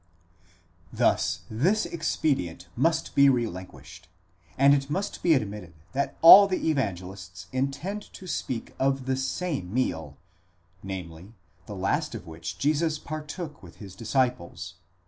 Thus this expedient must be relinquished, and it must be admitted that all the Evangelists intend to speak of the same meal, namely, the last of which Jesus partook with his disciples.